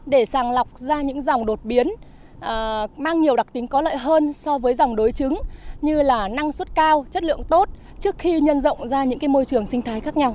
để sàng lọc ra những dòng đột biến mang nhiều đặc tính có lợi hơn so với dòng đối chứng như là năng suất cao chất lượng tốt